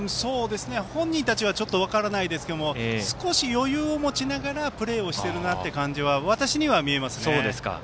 本人たちは、ちょっと分からないですけども少し余裕を持ちながらプレーをしているなという感じは私には見えますね。